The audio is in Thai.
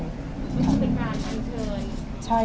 คุณว่าคุณเป็นการเชิญ